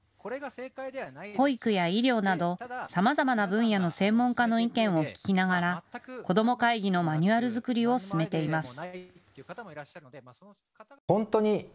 保育や医療などさまざまな分野の専門家の意見を聴きながらこどもかいぎのマニュアル作りを進めています。